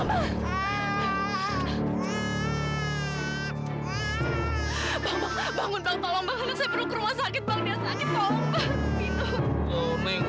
apakah bayi ini sebelumnya terjatuh juga bu